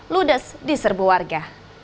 ludes di serbu warga